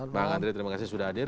bang andre terima kasih sudah hadir